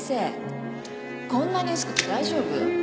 こんなに薄くて大丈夫？